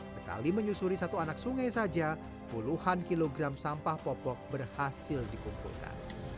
sekali menyusuri satu anak sungai saja puluhan kilogram sampah popok berhasil dikumpulkan